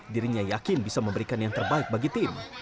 dirinya yakin bisa memberikan yang terbaik bagi tim